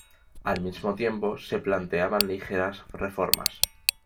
Al mismo tiempo se planteaban ligeras reformas.